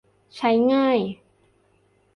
ใช้ง่าย